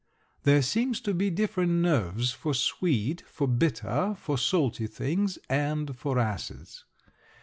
There seem to be different nerves for sweet, for bitter, for salty things, and for acids.